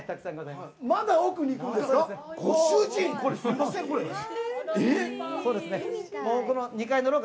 まだ奥に行くんですか？